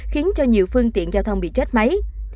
khiến cho nhiều phương tiện giao thông bị chết máy